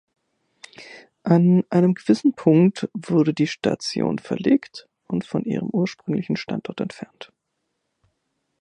An einem gewissen Punkt wurde die Station verlegt und von ihrem ursprünglichen Standort entfernt.